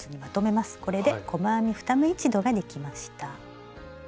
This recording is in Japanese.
これで細編み２目一度ができました。